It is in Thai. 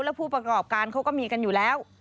แล้วผู้ประกอบการเขาก็มีกันอยู่แล้ว